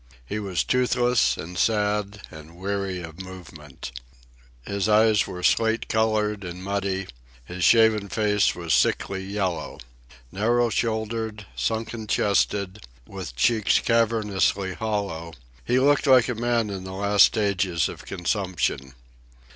He was toothless and sad and weary of movement. His eyes were slate coloured and muddy, his shaven face was sickly yellow. Narrow shouldered, sunken chested, with cheeks cavernously hollow, he looked like a man in the last stages of consumption.